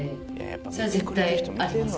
それは絶対あります